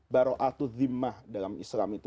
baro'atudh dhimmah dalam islam itu